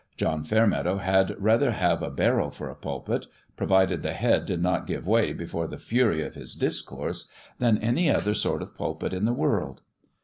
John Fairmeadow had rather have a barrel for a pulpit provided the head did not give way before the fury of his discourse than any other sort of pulpit in the world.